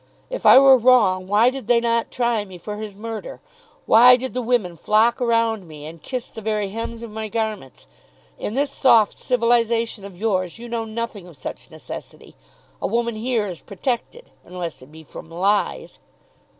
If I were wrong, why did they not try me for his murder? Why did the women flock around me and kiss the very hems of my garments? In this soft civilization of yours you know nothing of such necessity. A woman here is protected, unless it be from lies."